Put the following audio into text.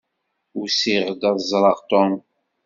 Usiɣ-d ad ẓṛeɣ Tom.